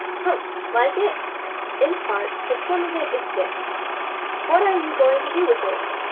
"Humph! Like it?" "In part but some of it is stiff." "What are you going to do with it?"